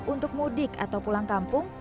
untuk mudik atau pulang kampung